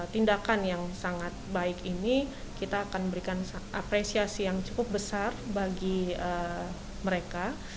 tindakan yang sangat baik ini kita akan berikan apresiasi yang cukup besar bagi mereka